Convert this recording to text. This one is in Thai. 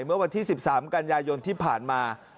เมื่อวันที่๑๓กันยายนที่ผ่านมา